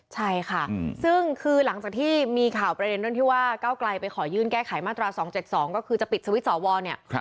ใช่ค่ะซึ่งคือหลังจากที่มีข่าวประเด็นเรื่องที่ว่าก้าวไกลไปขอยื่นแก้ไขมาตรา๒๗๒ก็คือจะปิดสวิตชอวรเนี่ย